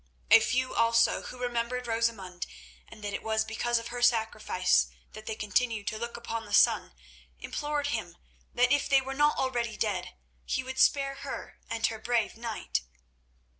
A few also who remembered Rosamund, and that it was because of her sacrifice that they continued to look upon the sun, implored him that if they were not already dead, he would spare her and her brave knight.